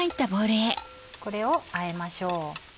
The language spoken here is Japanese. これをあえましょう。